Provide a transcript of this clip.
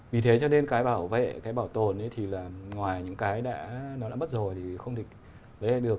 vì thế cho nên cái bảo vệ cái bảo tồn thì ngoài những cái nó đã mất rồi thì không được lấy lại được